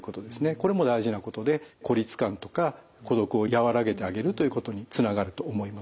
これも大事なことで孤立感とか孤独を和らげてあげるということにつながると思います。